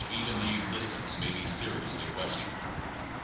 639 even the existence may be seriously questioned.